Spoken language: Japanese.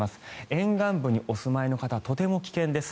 沿岸部にお住まいの方とても危険です。